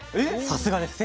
さすがです。